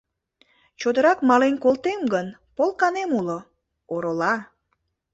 Чотырак мален колтем гын, Полканем уло, орола».